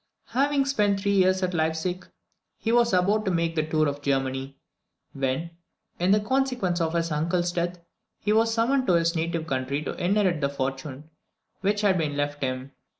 Having spent three years at Leipsic, he was about to make the tour of Germany, when, in consequence of his uncle's death, he was summoned to his native country to inherit the fortune which had been left him.